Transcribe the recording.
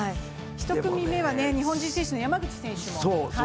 １組目は日本人選手の山口選手も。